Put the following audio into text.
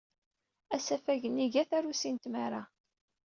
Asafag-nni iga tarusi n tmara.